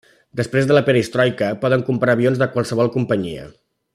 Després de la Perestroika, poden comprar avions de qualsevol companyia.